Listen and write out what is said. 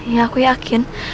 ya aku yakin